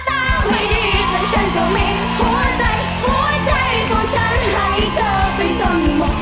ตาไม่ดีแต่ฉันก็มีหัวใจหัวใจของฉันให้เธอไปจนหมด